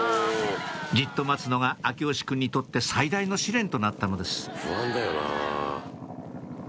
じっと待つのが耀義くんにとって最大の試練となったのです